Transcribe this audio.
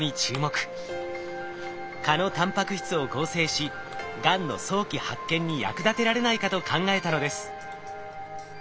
蚊のタンパク質を合成しがんの早期発見に役立てられないかと考えたのです。